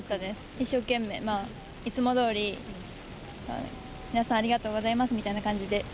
一生懸命いつもどおり、皆さんありがとうございますみたいな感じで。